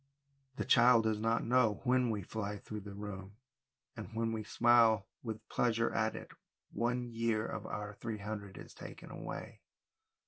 The child does not know when we fly through the room, and when we smile with pleasure at it, one year of our three hundred is taken away.